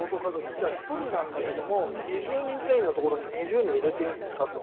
じゃあ１人なんだけども２０人定員のところに２０人入れていいんですかと。